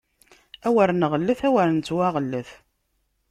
Awer nɣellet, awer nettwaɣellet!